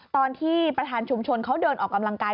ตอนที่ประธานชุมชนเขาเดินออกกำลังกาย